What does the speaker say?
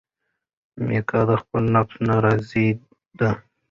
میکا د خپل نفس نه راضي دی.